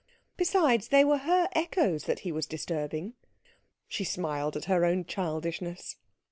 Besides, they were her echoes that he was disturbing. She smiled at her own childishness.